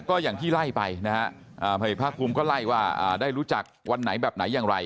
ก็อย่างที่ไล่ไปนะฮะพลเอกภาคภูมิก็ไล่ว่าได้รู้จักวันไหนแบบไหนอย่างไร